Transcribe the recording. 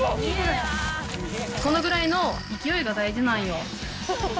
このぐらいの勢いが大事なんよ。